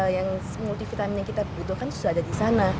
yang multivitamin yang kita butuhkan sudah ada disana